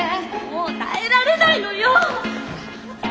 もう耐えられないのよ！